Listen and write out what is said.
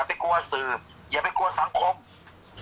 แม่ยังคงมั่นใจและก็มีความหวังในการทำงานของเจ้าหน้าที่ตำรวจค่ะ